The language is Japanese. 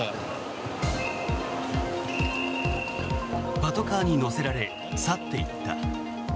パトカーに乗せられ去っていった。